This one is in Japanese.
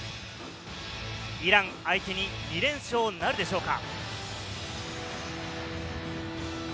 イラン相手に２連勝なるでしょうか。